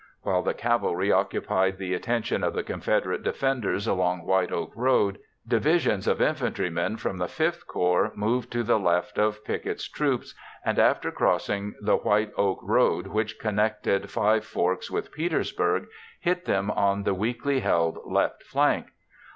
While the cavalry occupied the attention of the Confederate defenders along White Oak Road, divisions of infantrymen from the V Corps moved to the left of Pickett's troops and, after crossing the White Oak Road which connected Five Forks with Petersburg, hit them on the weakly held left flank.